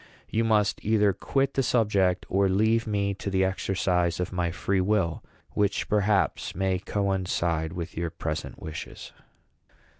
You must either quit the subject, or leave me to the exercise of my free will, which, perhaps, may coincide with your present wishes."